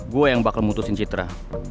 gue yang bakal memutuskan citra